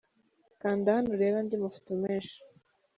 Kanda hano urebe andi mafoto menshi.